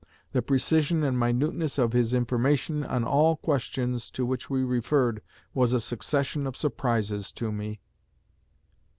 The precision and minuteness of his information on all questions to which we referred was a succession of surprises to me."